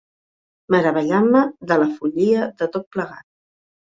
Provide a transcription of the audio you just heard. Meravellant-me de la follia de tot plegat.